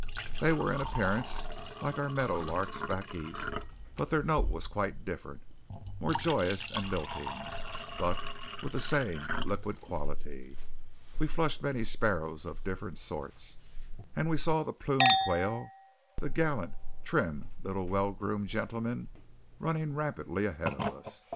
They were in appearance like our meadow larks back east, but their note was quite different; more joyous and lilting, but with the same liquid quality. We flushed many sparrows of different sorts; and we saw the plumed quail, the gallant, trim, little, well groomed gentlemen, running rapidly ahead of us.